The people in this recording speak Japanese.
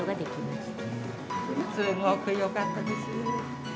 すごくよかったです。